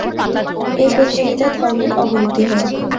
এই প্রতিযোগিতায় ধর্মের অবনতি হয়।